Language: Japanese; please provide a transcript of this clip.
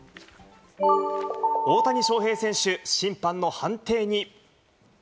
大谷翔平選手、審判の判定に。